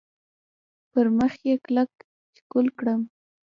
پر مخ یې کلک ښکل کړم .